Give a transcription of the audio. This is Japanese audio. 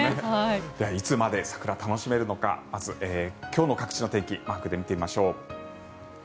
いつまで桜、楽しめるのかまず、今日の各地の天気をマークで見てみましょう。